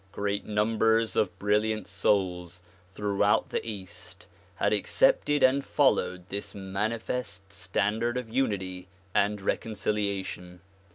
Great numbers of brilliant souls throughout the east had accepted and followed this manifest standard of unity and reconciliation.